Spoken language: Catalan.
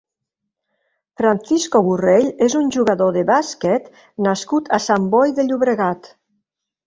Francisco Borrell és un jugador de bàsquet nascut a Sant Boi de Llobregat.